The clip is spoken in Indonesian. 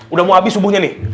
udah mau habis subuhnya nih